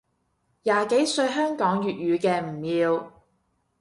廿幾歲香港粵語嘅唔要